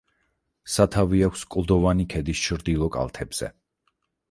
სათავე აქვს კლდოვანი ქედის ჩრდილო კალთებზე.